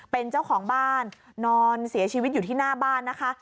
เป็นเจ้าของบ้านนอนเสียชีวิตอยู่ที่หน้าบ้านนะคะ